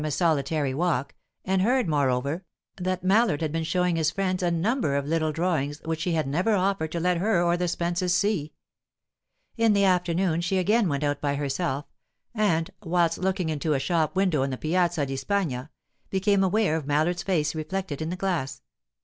solitary walk, and heard, moreover, that Mallard had been showing his friends a number of little drawings which he had never offered to let her or the Spences see. In the afternoon she again went out by herself, and, whilst looking into a shop window in the Piazza di Spagna, became aware of Mallard's face reflected in the glass.